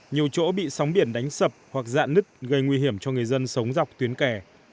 nhiều chỗ bị sóng biển đánh sập hoặc dạn nứt gây nguy hiểm cho người dân sống dọc tuyến kè